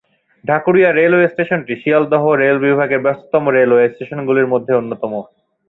Dhakuria railway স্টেশনটি Sealdah rail বিভাগের ব্যস্ততম রেলওয়ে স্টেশনগুলির মধ্যে অন্যতম।